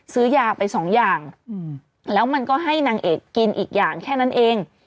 ซื้อยาไปสองอย่างแล้วมันก็ให้นางเอกกินอีกอย่างแค่นั้นเอง